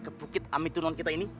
ke bukit amiturunan kita ini